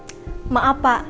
apa yang mau saya cari pak irfan